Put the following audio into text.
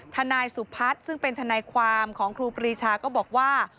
ทนายสุพัฒน์ซึ่งเป็นทนายความของครูปรีชาก็บอกว่า